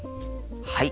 はい。